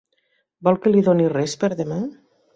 Vol que li doni res per demà?